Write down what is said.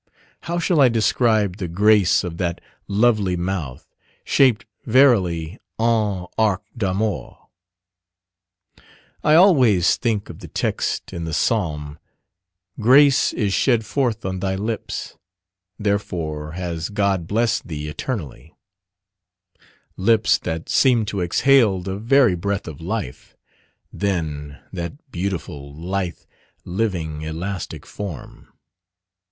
How shall I describe the grace of that lovely mouth, shaped verily "en arc d'amour." I always think of the text in the Psalm, "Grace is shed forth on thy lips, therefore has God blessed thee eternally" lips that seemed to exhale the very breath of life. Then that beautiful, lithe, living, elastic form!